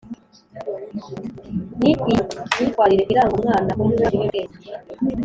ni iyi myitwarire iranga umwana unywa ibiyobyabwenge